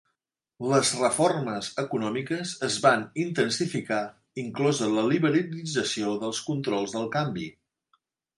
Les reformes econòmiques es van intensificar, inclosa la liberalització dels controls de canvi.